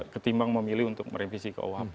ketimbang memilih untuk merevisi